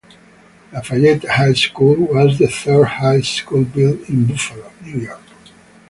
Lafayette High School was the third high school built in Buffalo, New York.